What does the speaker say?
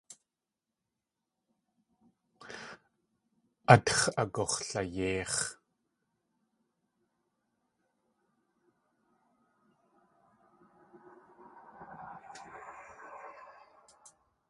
Átx̲ agux̲layéix̲.